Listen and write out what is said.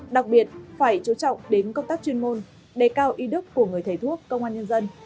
đặc biệt phải chú trọng đến công tác chuyên môn đề cao ý đức của người thầy thuốc công an nhân dân